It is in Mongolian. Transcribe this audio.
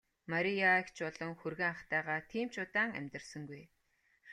Мария эгч болон хүргэн ахтайгаа тийм ч удаан амьдарсангүй.